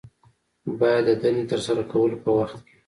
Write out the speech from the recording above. باید د دندې د ترسره کولو په وخت کې